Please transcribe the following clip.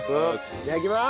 いただきます。